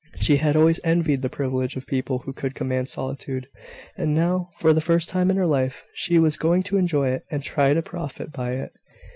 She had always envied the privilege of people who could command solitude; and now, for the first time in her life, she was going to enjoy it, and try to profit by it.